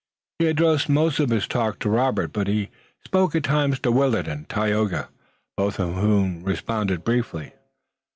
He addressed most of his talk to Robert, but he spoke at times to Willet and Tayoga, both of whom responded briefly.